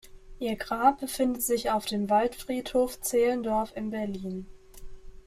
Ihr Grab befindet sich auf dem Waldfriedhof Zehlendorf in Berlin.